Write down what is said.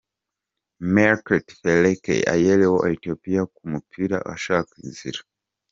Mirkat Feleke Ayele wa Ethiopia ku mupira ashaka inzira